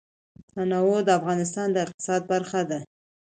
تنوع د افغانستان د اقتصاد برخه ده.